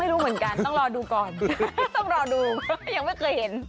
ทุกคนดิ๊ก